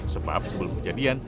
sebab sebelum kejadian